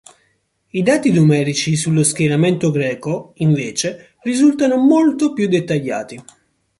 I dati numerici sullo schieramento greco, invece, risultano molto più dettagliati.